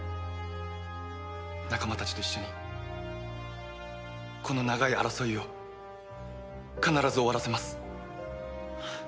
仲間たちと一緒にこの長い争いを必ず終わらせます。